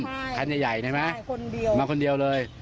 ใช่คันใหญ่ใช่ไหมคนเดียวมาคนเดียวเลย